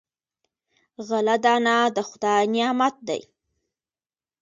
غله دانه د خدای نعمت دی.